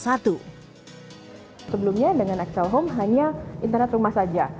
sebelumnya dengan axel home hanya internet rumah saja